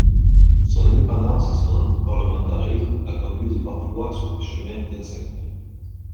Son indépendance et son antiparlementarisme la conduisent parfois sur des chemins incertains.